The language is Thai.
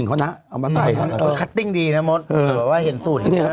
อันคำคำควบคัตติ๊งดีนะมฮาว